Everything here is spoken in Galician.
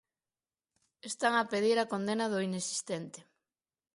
Están a pedir a condena do inexistente.